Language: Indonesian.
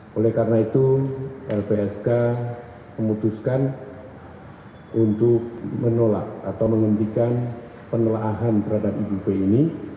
ternyata karena itu lpsk memutuskan untuk menolak atau menghentikan penelahan terhadap ibu p ini